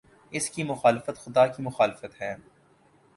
اس کی مخالفت خدا کی مخالفت ہے۔